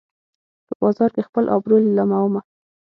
په بازار کې خپل ابرو لیلامومه